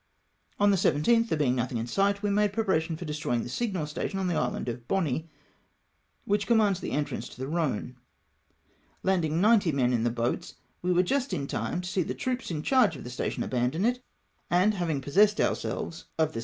On the 17th, there being nothing in sight, we made preparations for destroying the signal station on the island of Boni, which commands the entrance to the Ehone. Landing ninety men in the boats, we were just in time to see the troops in charge of the station abandon it ; and having possessed om^selves of the ANCIIOK IN GULF DUMET.